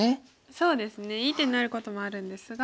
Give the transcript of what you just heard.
そうですねいい手になることもあるんですが。